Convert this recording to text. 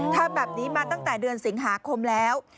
ทำแบบนี้มาตั้งแต่เดือนสิงหาคมแล้ว